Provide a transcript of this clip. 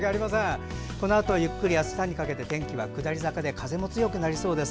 このあとはゆっくりあしたにかけて下り坂で風も強くなりそうです。